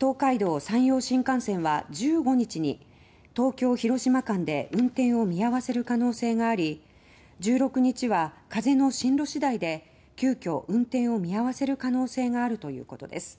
東海道・山陽新幹線は１５日に東京広島間で運転を見合わせる可能性があり１６日は風の進路次第で急遽運転を見合わせる可能性があるということです。